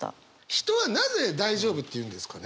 人はなぜ大丈夫って言うんですかね。